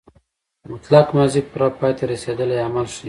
مطلق ماضي پوره پای ته رسېدلی عمل ښيي.